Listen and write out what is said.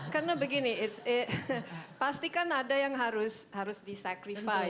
karena begini pastikan ada yang harus disacrifice